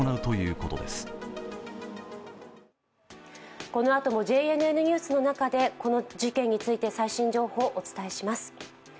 このあともＪＮＮニュースの中でこの事件について最新情報をお伝えします。